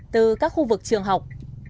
từ các khu vực trường học